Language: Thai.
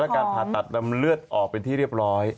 ในช่องท้องแต่จะรับการผ่าตัดรำเลือดออกเป็นที่เรียบร้อย